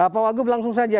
pak wagub langsung saja